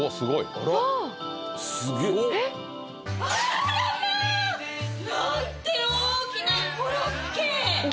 「あらまぁ！なんて大きなコロッケ！」